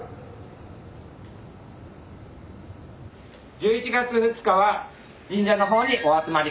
１１月２日は神社の方にお集まり下さい。